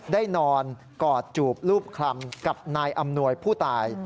ได้นอนกอดจูบรูปคลำกับนายอำนวยผู้ตาย